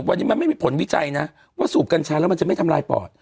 วันนี้มันไม่มีผลวิจัยนะว่าสูบกัญชาแล้วมันจะไม่ทำลายปอด